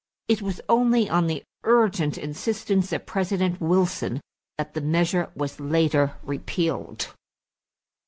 It was only on the urgent insistence of President Wilson that the measure was later repealed.